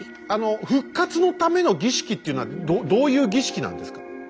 「復活のための儀式」っていうのはどういう儀式なんですか？